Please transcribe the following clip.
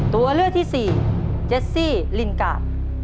ตัวเลือกที่สี่เจสซี่ลินกา